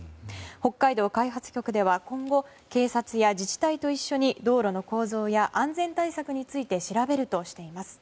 北海道開発局では今後、警察や自治体と一緒に道路の構造や安全対策について調べるとしています。